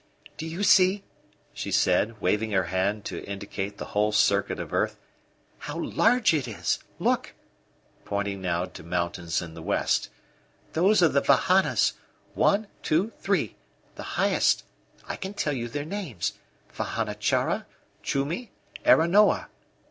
"Do you see," she said, waving her hand to indicate the whole circuit of earth, "how large it is? Look!" pointing now to mountains in the west. "Those are the Vahanas one, two, three the highest I can tell you their names Vahana Chara, Chumi, Aranoa.